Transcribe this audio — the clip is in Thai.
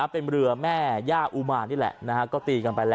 เป็นเรือแม่ย่าอุมารนี่แหละก็ตีกันไปแล้ว